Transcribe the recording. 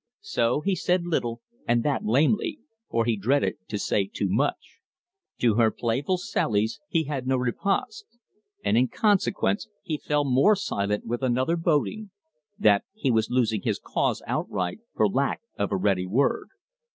So he said little, and that lamely, for he dreaded to say too much. To her playful sallies he had no riposte. And in consequence he fell more silent with another boding that he was losing his cause outright for lack of a ready word.